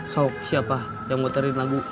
so siapa yang muterin lagu